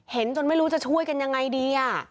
จนไม่รู้จะช่วยกันยังไงดี